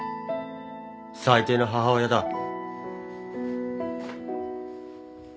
最低な母親だ。